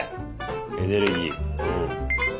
エネルギーうん。